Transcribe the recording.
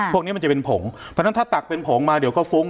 พวกนี้มันจะเป็นผงเพราะฉะนั้นถ้าตักเป็นผงมาเดี๋ยวก็ฟุ้ง